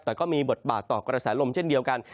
แต่ก็มีบทบาทต่อกระแสลมเช่นเดียวกัน